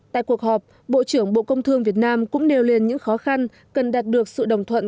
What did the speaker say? tại cuộc họp bộ trưởng bộ công thương việt nam cũng nêu lên những khó khăn cần đạt được sự đồng thuận